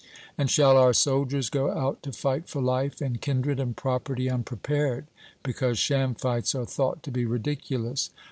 And shall our soldiers go out to fight for life and kindred and property unprepared, because sham fights are thought to be ridiculous?